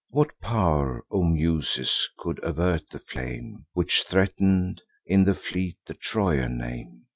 What pow'r, O Muses, could avert the flame Which threaten'd, in the fleet, the Trojan name?